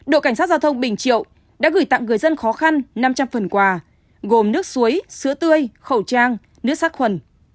độ cảnh sát giao thông bình triệu đã gửi tặng người dân khó khăn năm trăm linh phần quà gồm nước suối sữa tươi khẩu trang nước sắc khuẩn